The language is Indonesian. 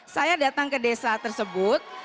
saya datang ke desa tersebut